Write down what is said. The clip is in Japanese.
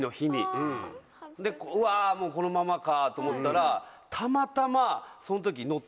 「うわもうこのままか」と思ったら。